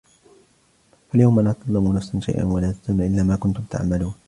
فاليوم لا تظلم نفس شيئا ولا تجزون إلا ما كنتم تعملون